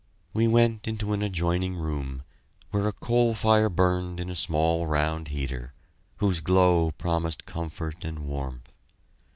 We went into an adjoining room, where a coal fire burned in a small round heater, whose glow promised comfort and warmth.